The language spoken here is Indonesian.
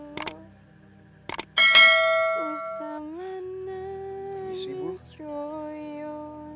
terima kasih ibu